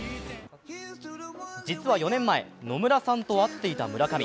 実は４年前、野村さんと会っていた村上。